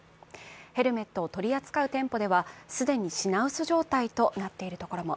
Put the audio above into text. ヘルメットを取り扱う店舗では既に品薄状態になっているところも。